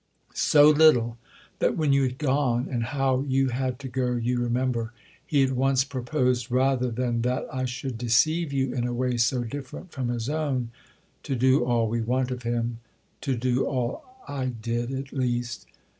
"So little that when you had gone (and how you had to go you remember) he at once proposed, rather than that I should deceive you in a way so different from his own——" "To do all we want of him?" "To do all I did at least."